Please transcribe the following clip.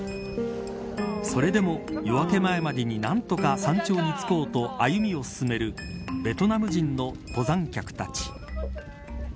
それでも、夜明け前までに何とか山頂に着こうと歩みを進めるベトナム人の登山客たち。